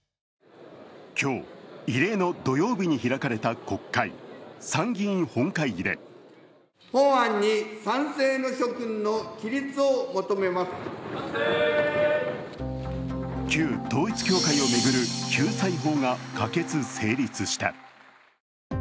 今日、異例の土曜日に開かれた国会、参議院本会議で旧統一教会を巡る救済法が可決・成立した。